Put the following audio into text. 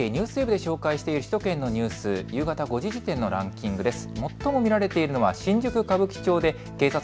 ＮＨＫＮＥＷＳＷＥＢで紹介している首都圏のニュース、夕方５時時点のランキングです。